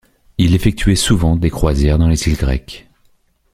Il effectuait souvent des croisières dans les îles grecques.